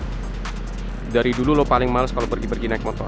soalnya gue tau dari dulu lo paling males kalau pergi pergi naik motor